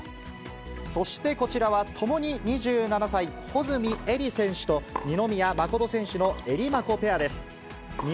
そしてこちらは、ともに２７歳、穂積絵莉選手と、二宮真琴選手のえりまこペアです。